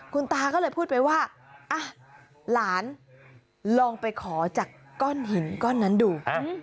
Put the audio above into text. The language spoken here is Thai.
คุณตาก็เลยพูดไปว่าหลานลองไปขอจากก้อนหินก้อนนั้นดู